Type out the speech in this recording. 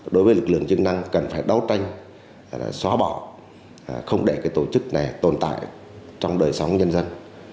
đối với lực lượng chức năng cần phải đấu tranh xóa bỏ không để tổ chức này tồn tại trong đời sống nhân dân